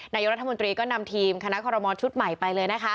นายกราธมนตรีก็นำทีมคณะคมชุดใหม่ไปเลย